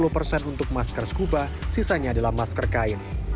lima puluh persen untuk masker scuba sisanya adalah masker kain